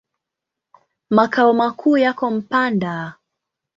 Makao makuu yako Mpanda.